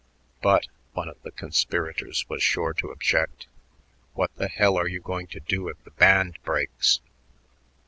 "But," one of the conspirators was sure to object, "what th' hell are you going to do if the band breaks?"